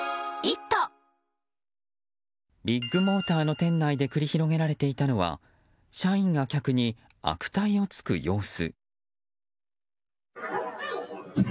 ビッグモーターの店内で繰り広げられていたのは社員が客に悪態をつく様子。